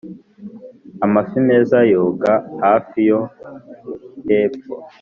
amafi meza yoga hafi yo hepfo.